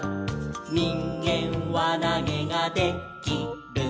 「にんげんわなげがで・き・る」